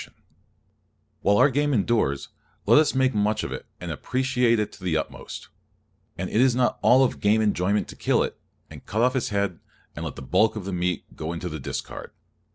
Henshaw, Chief of the Biological Survey] While our game endures, let us make much of it, and appreciate it to the utmost. And it is not all of game enjoyment to kill it, and cut off its head, and let the bulk of the meat go into the discard.